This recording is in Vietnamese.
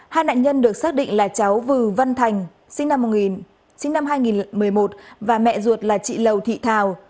hai nạn nhân được xác định là cháu vư văn thành sinh năm hai nghìn một mươi một và mẹ ruột là chị lầu thị thào